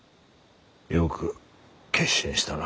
よく決心したな。